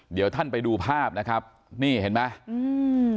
เดี๋ยวท่านไปดูภาพนะครับนี่เห็นไหมอืม